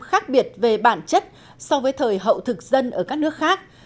khác biệt về bản chất so với thời hậu thực dân ở các nước khác